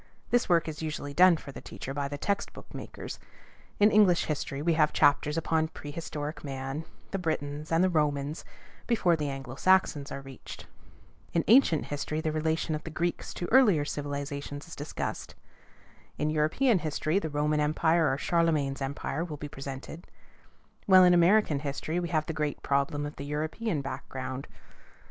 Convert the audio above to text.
This work is usually done for the teacher by the text book makers. In English history we have chapters upon pre historic man, the Britons, and the Romans, before the Anglo Saxons are reached; in ancient history the relation of the Greeks to earlier civilizations is discussed; in European history, the Roman Empire or Charlemagne's Empire will be presented; while in American history we have the great problem of the European background.